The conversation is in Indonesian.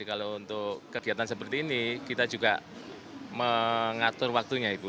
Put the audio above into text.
kalau untuk kegiatan seperti ini kita juga mengatur waktunya ibu